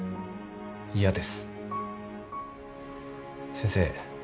先生